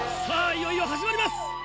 いよいよ始まります！